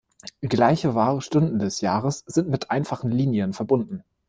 Gleiche wahre Stunden des Jahres sind mit einfachen Linien verbunden.